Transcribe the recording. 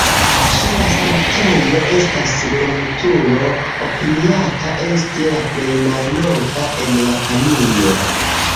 Ĉe la sanktejo estas lumturo, opiniata esti la plej malnova en Japanio.